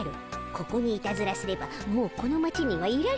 ここにいたずらすればもうこの町にはいられないでおじゃる。